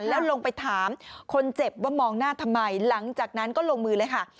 แล้วลงไปถามคนเจ็บว่ามองหน้าทำไมหลังจากนั้นก็ลงมือเลยค่ะ